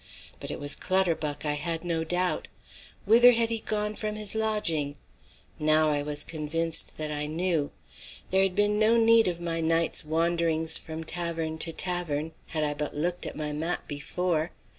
But it was Clutterbuck I had no doubt. Whither had he gone from his lodging? Now I was convinced that I knew. There had been no need of my night's wanderings from tavern to tavern, had I but looked at my map before.